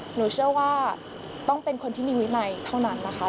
หนูเชื่อว่าต้องเป็นคนที่มีวินัยเท่านั้นนะคะ